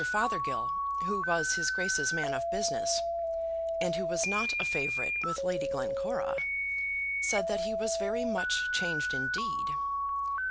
Fothergill, who was his Grace's man of business, and who was not a favourite with Lady Glencora, said that he was very much changed indeed.